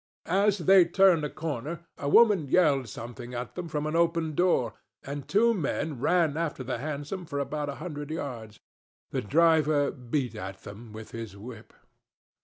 As they turned a corner, a woman yelled something at them from an open door, and two men ran after the hansom for about a hundred yards. The driver beat at them with his whip.